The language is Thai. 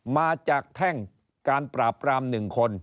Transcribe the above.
มาจากแท่งการปราบปราม๑คน